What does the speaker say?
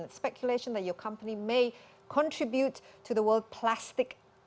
ada spekulasi bahwa ada yang berkata kata yang tidak berkata kata